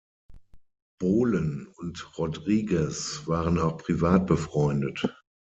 Bohlen und Rodriguez waren auch privat befreundet.